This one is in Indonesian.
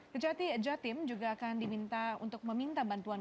kejati jatim juga akan diminta untuk meminta bantuan